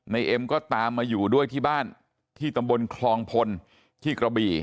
เอ็มก็ตามมาอยู่ด้วยที่บ้านที่ตำบลคลองพลที่กระบี่